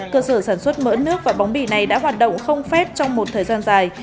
cơ sở sản xuất mỡ nước và bóng bì này đã hoạt động không phép trong một thời gian dài